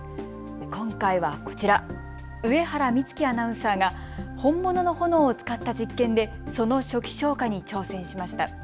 今回はこちら、上原光紀アナウンサーが本物の炎を使った実験でその初期消火に挑戦しました。